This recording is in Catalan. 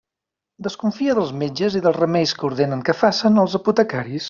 Desconfia dels metges i dels remeis que ordenen que facen els apotecaris.